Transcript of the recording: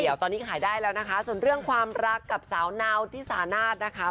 เดี๋ยวตอนนี้ขายได้แล้วนะคะส่วนเรื่องความรักกับสาวนาวที่สานาศนะคะ